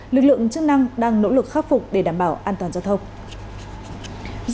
lực lượng chức năng đang nỗ lực khắc phục để đảm bảo an toàn giao thông